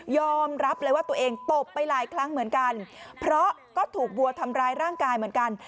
อมรับเลยว่าตัวเองตบไปหลายครั้งเหมือนกันเพราะก็ถูกบัวทำร้ายร่างกายเหมือนกัน